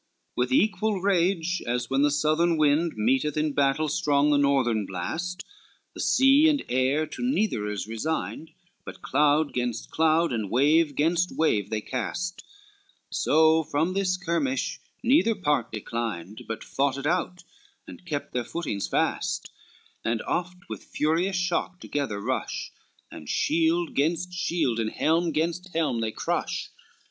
LII With equal rage, as when the southern wind, Meeteth in battle strong the northern blast, The sea and air to neither is resigned, But cloud gainst cloud, and wave gainst wave they cast: So from this skirmish neither part declined, But fought it out, and kept their footings fast, And oft with furious shock together rush, And shield gainst shield, and helm gainst helm they crush.